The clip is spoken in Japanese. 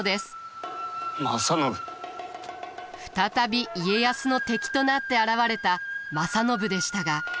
再び家康の敵となって現れた正信でしたが。